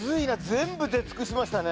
全部出尽くしましたね